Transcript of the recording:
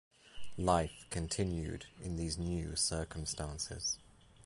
Life continued in these new circumstances.